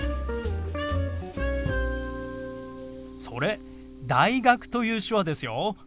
それ「大学」という手話ですよ。